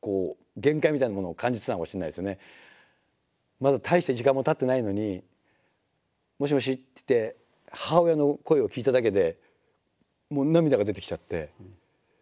まだ大して時間もたってないのに「もしもし」っつって母親の声を聞いただけでもう涙が出てきちゃって。